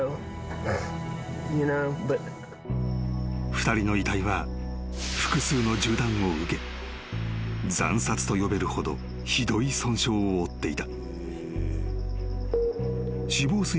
［２人の遺体は複数の銃弾を受け惨殺と呼べるほどひどい損傷を負っていた］